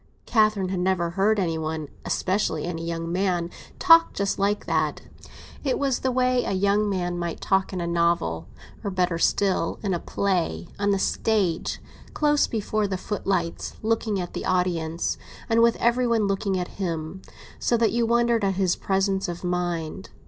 Catherine had never heard any one—especially any young man—talk just like that. It was the way a young man might talk in a novel; or better still, in a play, on the stage, close before the footlights, looking at the audience, and with every one looking at him, so that you wondered at his presence of mind.